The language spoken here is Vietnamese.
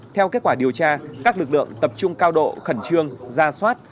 theo kết quả điều tra các lực lượng tập trung cao độ khẩn trương ra soát